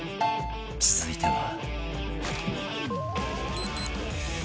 続いては